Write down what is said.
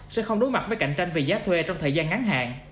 sẽ không đối mặt với cạnh tranh về giá thuê trong thời gian ngắn hạn